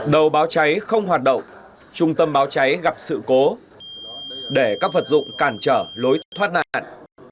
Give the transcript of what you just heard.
đầu báo cháy không hoạt động trung tâm báo cháy gặp sự cố để các vật dụng cản trở lối thoát nạn